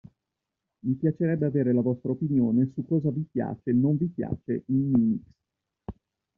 Mi piacerebbe avere la vostra opinione su cosa vi piace/non vi piace in Minix.